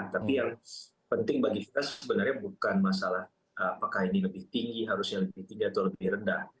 tapi yang penting bagi kita sebenarnya bukan masalah apakah ini lebih tinggi harusnya lebih tinggi atau lebih rendah